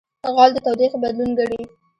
غول د تودوخې بدلون ګڼي.